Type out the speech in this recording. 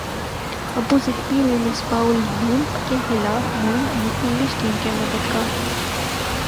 Abu Dhabi میں Misbah eleven کیخلاف Moeen Ali English team کے مددگار